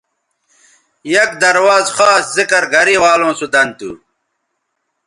یک درواز خاص ذکر گرےوالوں سو دن تھو